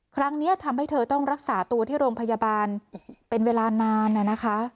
ครั้งนี้ทำให้เธอต้องรักษาตัวที่โรงพยาบาลเป็นเวลานานนะคะ